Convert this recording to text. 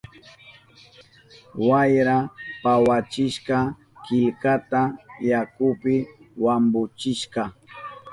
Wayra pawachishka killkata, yakupi wampuchishka.